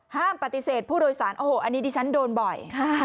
ห้ามปฏิเสธผู้โดยสารโอ้โหอันนี้ดิฉันโดนบ่อย